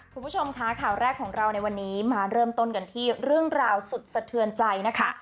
คุณผู้ชมคะข่าวแรกของเราในวันนี้มาเริ่มต้นกันที่เรื่องราวสุดสะเทือนใจนะคะ